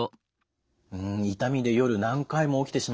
痛みで夜何回も起きてしまう。